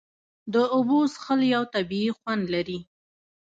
د اوبو څښل یو طبیعي خوند لري.